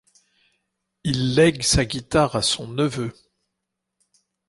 Il lègue sa guitare à son neveu.